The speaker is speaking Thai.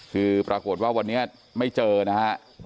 คือปรากฏว่าวันนี้ไม่เจอนะฮะ